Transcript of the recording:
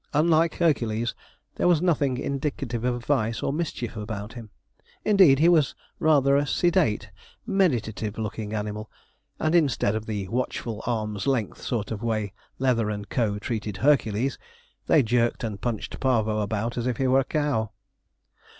Unlike Hercules, there was nothing indicative of vice or mischief about him. Indeed, he was rather a sedate, meditative looking animal; and, instead of the watchful, arms' length sort of way Leather and Co. treated Hercules, they jerked and punched Parvo about as if he were a cow.